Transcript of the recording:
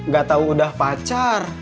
gak tau udah pacar